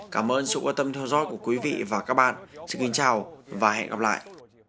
cảm ơn các bạn xin kính chào và hẹn gặp lại